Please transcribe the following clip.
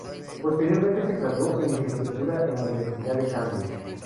Posteriormente se graduó en literatura en la Universidad de Cambridge.